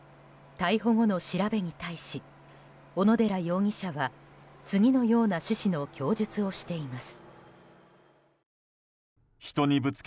逮捕後の調べに対し小野寺容疑者は次のような趣旨の供述をしています。